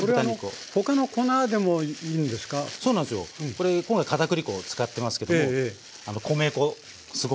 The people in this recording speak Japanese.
これ今回片栗粉を使ってますけども米粉すごくいいです。